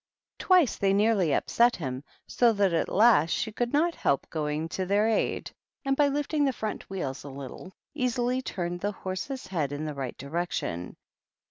Twice they nearly upset him, so that at last she could not help going to their aid, and by lifting the front wheels a little, easily turned the horse's head in the right direction.